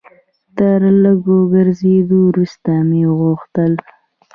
تر لږ ګرځېدو وروسته مې وغوښتل.